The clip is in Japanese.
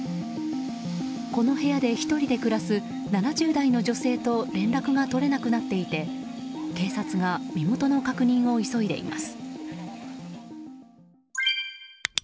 この部屋で１人で暮らす７０代の女性と連絡が取れなくなっていて警察が身元の確認を急いでいます。